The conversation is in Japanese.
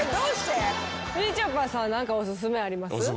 みちょぱさん何かおすすめあります？